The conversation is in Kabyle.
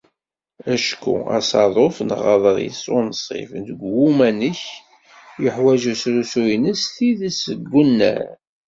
Acku asaḍuf neɣ aḍris unṣib n uwanek yuḥwaǧ asrusu-ines s tidet deg unnar.